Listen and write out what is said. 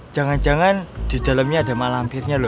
jangan jangan di dalamnya ada malampirnya loh